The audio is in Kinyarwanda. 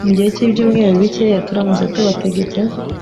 mu gihe cyibyumweru bike Turamutse tubategetse